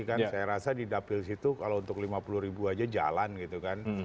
saya rasa di dapils itu kalau untuk lima puluh ribu aja jalan gitu kan